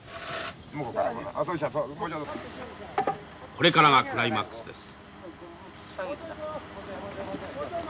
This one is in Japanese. これからがクライマックスです。